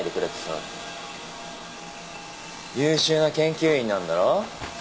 優秀な研究員なんだろ？